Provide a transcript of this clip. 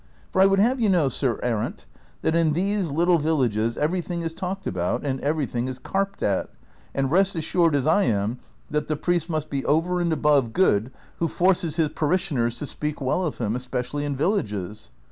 For I would have you know. Sir Errant, that in these little villages everything is talked about and everything is carped at ; and rest assured, as I am, that the priest must be over and above good who forces his parishioners to speak well of him, especially in villages."